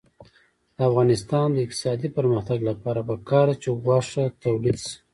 د افغانستان د اقتصادي پرمختګ لپاره پکار ده چې غوښه تولید شي.